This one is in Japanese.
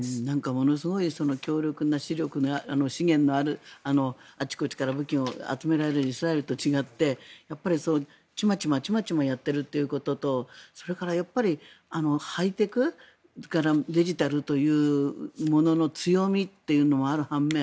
ものすごい強力な資源のあるあちこちから武器を集められるイスラエルと違ってやっぱり、ちまちまちまちまやっているということとそれからハイテクデジタルというものの強みというのもある半面